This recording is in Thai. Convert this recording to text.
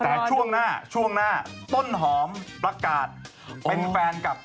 แต่ช่วงหน้าช่วงหน้าต้นหอมประกาศเป็นแฟนกับ